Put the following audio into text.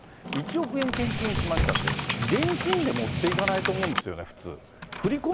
１億円献金しましたって、現金で持っていかないと思うんですよね、普通。